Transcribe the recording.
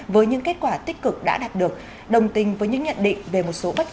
với những kết quả tích cực đã đạt được đồng tình với những nhận định về một số bất